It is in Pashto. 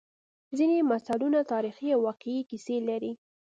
ځینې متلونه تاریخي او واقعي کیسې لري